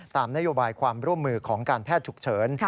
ตามนโยบายความร่วมมือของการแพทย์ฉุกเฉิน